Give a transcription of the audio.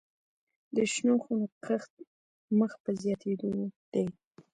د شنو خونو کښت مخ په زیاتیدو دی